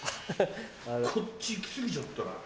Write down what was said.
こっちいき過ぎちゃったな。